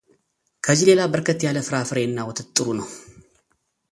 ከዚህ ሌላ በርከት ያለ ፍራፍሬ እና ወተት ጥሩ ነው።